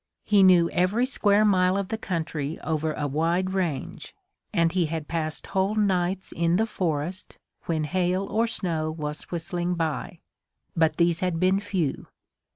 He knew every square mile of the country over a wide range, and he had passed whole nights in the forest, when hail or snow was whistling by. But these had been few.